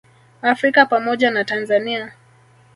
Afrika pamoja na Tanzania